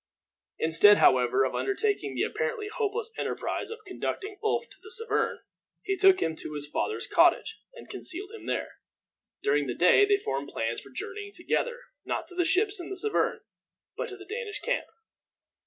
Instead, however, of undertaking the apparently hopeless enterprise of conducting Ulf to the Severn, he took him to his father's cottage and concealed him there. During the day they formed plans for journeying together, not to the ships in the Severn, but to the Danish camp.